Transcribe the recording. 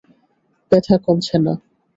ব্যাথা কমছে না।